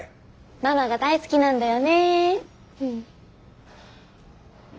ママが大好きなんだよねー。